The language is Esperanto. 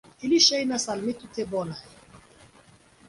Ili ŝajnas al mi tute bonaj.